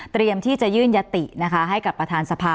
ที่จะยื่นยตินะคะให้กับประธานสภา